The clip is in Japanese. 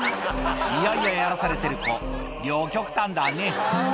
嫌々やらされてる子両極端だね